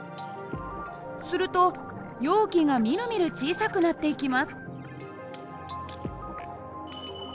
すると容器がみるみる小さくなっていきます。